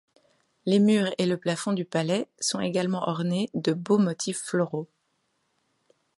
Les murs et le plafond du palais sont également ornés de beaux motifs floraux.